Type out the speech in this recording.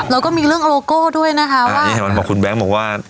เราก็มีเรื่องโลโก้ด้วยนะคะว่าอ่านี่มันบอกคุณแบ๊งบอกว่า